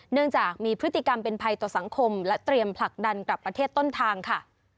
เนื่องจากมีพฤติกรรมเป็นภัยต่อสังคมและเตรียมผลักดันกลับประเทศต้นทางค่ะ